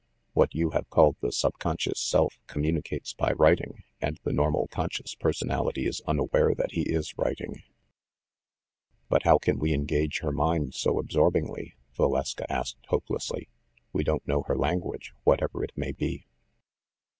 What you have called the 'subconscious self commu nicates by writing, and the normal conscious person ality is unaware that he is writing." "But how can we engage her mind so absorbingly ?" Valeska asked hopelessly. "We don't know her lan guage, whatever it may be."